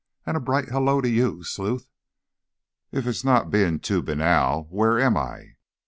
"And a bright hello to you, Sleuth. If it's not being too banal, where am I?"